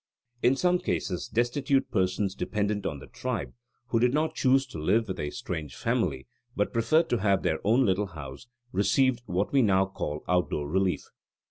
In some cases destitute persons dependent on the tribe, who did not choose to live with a strange family, but preferred to have their own little house, received what we now call outdoor relief.